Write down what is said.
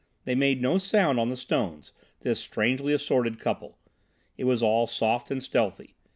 They made no sound on the stones, this strangely assorted couple. It was all soft and stealthy.